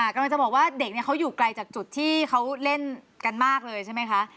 กำลังจะบอกว่าเด็กเขาอยู่ไกลจากจุดที่เขาเล่นกันมากเลยใช่ไหมคะ